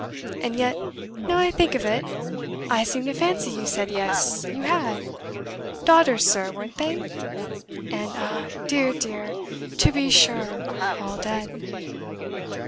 And yet, now I think of it, I seem to fancy you said yes, you had. Daughters, sir, weren't they? and, ah, dear! dear! to be sure! all dead."